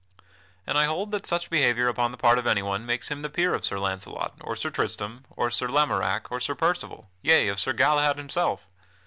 And I hold that such behavior upon the part of anyone makes him the peer of Sir Launcelot or Sir Tristram or Sir Lamorack or Sir Percival; yea, of Sir Galahad himself.